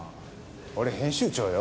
俺編集長よ？